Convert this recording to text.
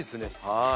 はい！